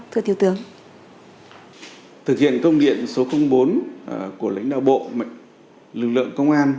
thực hiện công điện số bốn của lãnh đạo bộ lực lượng công an